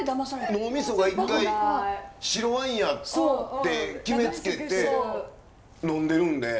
脳みそが一回白ワインやって決めつけて呑んでるんで。